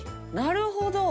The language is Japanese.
なるほど！